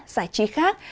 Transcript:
giải trí khác